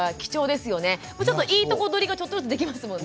ちょっといいとこ取りがちょっとずつできますもんね。